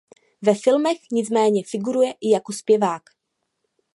Ve filmech nicméně figuruje i jako zpěvák.